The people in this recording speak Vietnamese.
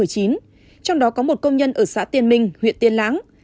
trong đó có một công nhân ở xã tiên minh huyện tiên lãng